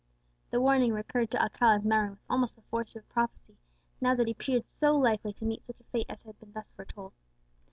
The warning recurred to Alcala's memory with almost the force of prophecy, now that he appeared so likely to meet such a fate as had been thus foretold.